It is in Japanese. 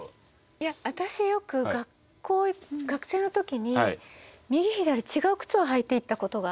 いや私よく学校学生のときに右左違う靴を履いていったことが。